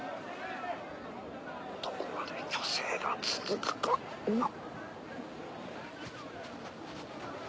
どこまで虚勢が続くかな。